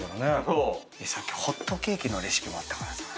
さっきホットケーキのレシピもあったからさ。